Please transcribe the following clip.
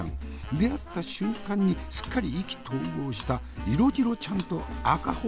出会った瞬間にすっかり意気投合した色白ちゃんと赤ほっぺちゃん。